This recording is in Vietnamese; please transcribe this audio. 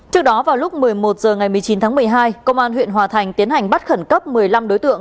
trước đó vào lúc một mươi một h ngày một mươi chín tháng một mươi hai công an huyện hòa thành tiến hành bắt khẩn cấp một mươi năm đối tượng